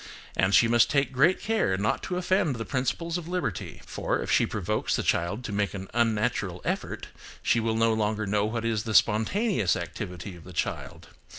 And she must take great care not to offend the principles of liberty. For, if she provokes the child to make an unnatural effort, she will no longer know what is the spontaneous activity of the child.